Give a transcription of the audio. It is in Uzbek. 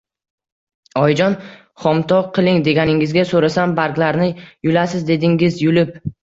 Oyijon, xomtok qiling, deganingizga… so`rasam barglarini yulasiz, dedingiz, yulib…